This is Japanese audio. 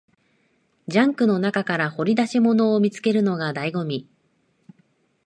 ジャンクの中から掘り出し物を見つけるのが醍醐味